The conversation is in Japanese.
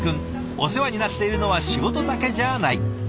お世話になっているのは仕事だけじゃない。